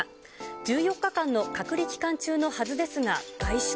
１４日間の隔離期間中のはずですが、外出。